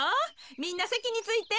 みんなせきについて。